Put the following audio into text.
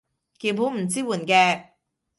鍵盤不支援嘅